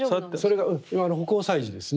それが葆光彩磁ですね。